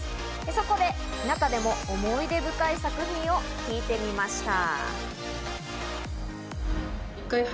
そこで中でも思い出深い作品を聞いてみました。